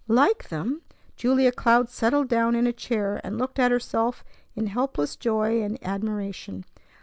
"Like them!" Julia Cloud settled down in a chair, and looked at herself in helpless joy and admiration.